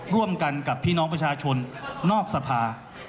ร่วมกันกับพี่น้องประชาชนนอกสภา